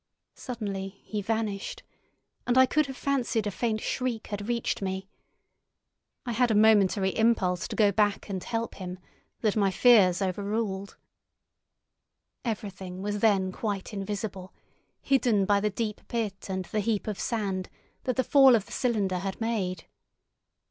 Suddenly he vanished, and I could have fancied a faint shriek had reached me. I had a momentary impulse to go back and help him that my fears overruled. Everything was then quite invisible, hidden by the deep pit and the heap of sand that the fall of the cylinder had made.